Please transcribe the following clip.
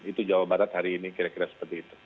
itu jawa barat hari ini kira kira seperti itu